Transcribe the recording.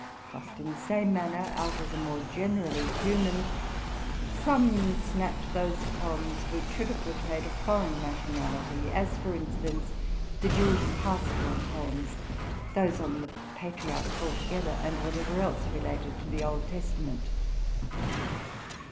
Just in the same manner, out of the more generally human, some snatch those poems which should have portrayed a foreign nationality, as, for instance, the Jewish pastoral poems, those on the patriarchs alto 226 TRUTH AND FICTION gether, and whatever else related to the Old Testament.